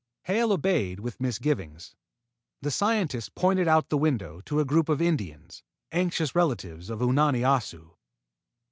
Hale obeyed with misgivings. The scientist pointed out the window to a group of Indians, anxious relatives of Unani Assu.